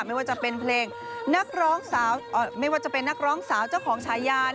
ไม่ว่าจะเป็นนักร้องสาวเจ้าของชายา